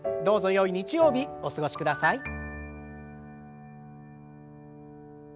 どうぞよい日曜日お過ごしください。